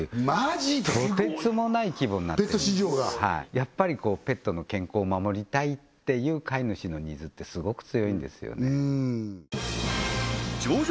やっぱりこうペットの健康を守りたいっていう飼い主のニーズってスゴく強いんですよね